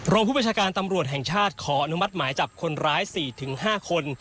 ผู้ประชาการตำรวจแห่งชาติขออนุมัติหมายจับคนร้าย๔๕คน